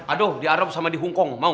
aduh di arab sama di hongkong mau